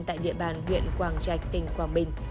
tại địa bàn huyện quảng trạch tỉnh quảng bình